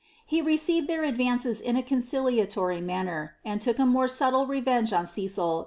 He received their advances ■ a conciliatory manner, and took a more subtle revenge on Cecil than * Mow.